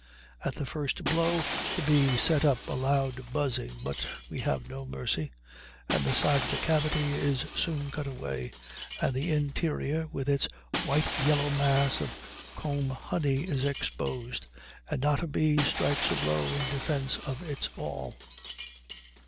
At the first blow the bees set up a loud buzzing, but we have no mercy, and the side of the cavity is soon cut away and the interior with its white yellow mass of comb honey is exposed, and not a bee strikes a blow in defense of its all.